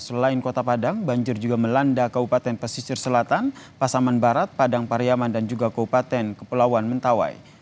selain kota padang banjir juga melanda kabupaten pesisir selatan pasaman barat padang pariaman dan juga kabupaten kepulauan mentawai